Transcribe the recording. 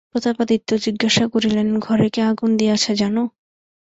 প্রতাপাদিত্য জিজ্ঞাসা করিলেন, ঘরে কে আগুন দিয়াছে জান?